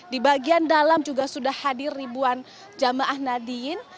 di bagian dalam juga sudah hadir ribuan jamaah nadiyin